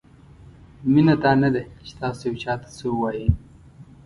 مینه دا نه ده چې تاسو یو چاته څه ووایئ.